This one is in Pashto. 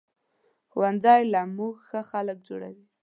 ښوونځی له مونږ ښه خلک جوړوي